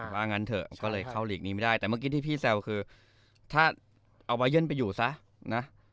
ถ้าเอาบายเยิ้ลไปอยู่ซะอะนะ